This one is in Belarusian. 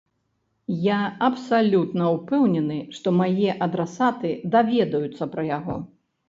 Я абсалютна ўпэўнены, што мае адрасаты даведаюцца пра яго.